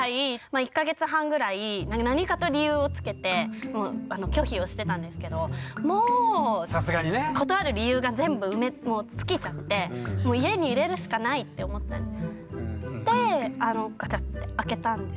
１か月半ぐらい何かと理由をつけて拒否をしてたんですけどもう断る理由が全部尽きちゃってでガチャッて開けたんですね。